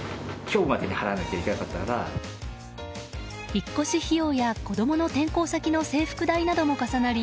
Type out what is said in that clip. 引っ越し費用や子供の転校先の制服代なども重なり